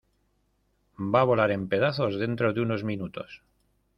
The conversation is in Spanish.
Va a volar en pedazos dentro de unos minutos